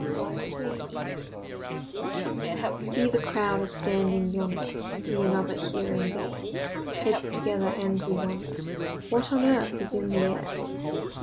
EUROPE'S WAR See the crowd a standing yonder; See another here and there, Heads together, and we wonder— 'What on earth is in the air!